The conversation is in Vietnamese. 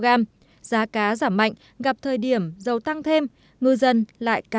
giá cá giảm mạnh gặp thời điểm dầu tăng thêm ngư dân lại càng